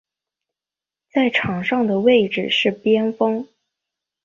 在场上的位置是边锋。